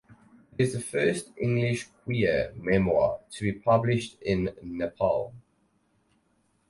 It is the first English queer memoir to be published in Nepal.